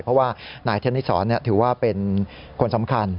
เพราะว่านายธนิสรถือว่าเป็นคนสำคัญ